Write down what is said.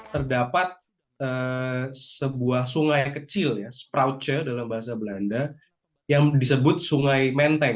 terdapat sebuah sungai kecil ya sprauture dalam bahasa belanda yang disebut sungai menteng